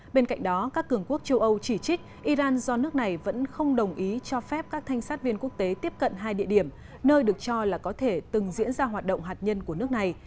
bên cạnh đó các cường quốc châu âu chỉ trích iran do nước này vẫn không đồng ý cho phép các thanh sát viên quốc tế tiếp cận hai địa điểm nơi được cho là có thể từng diễn ra hoạt động hạt nhân của nước này